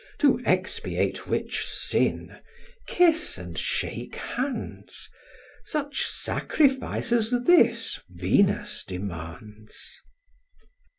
To expiate which sin, kiss and shake hands: Such sacrifice as this Venus demands."